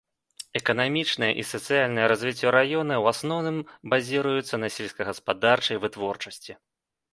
Эканамічнае і сацыяльнае развіццё раёна ў асноўным базіруецца на сельскагаспадарчай вытворчасці.